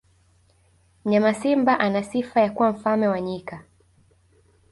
mnyama simba ana sifa ya kuwa mfalme wa nyika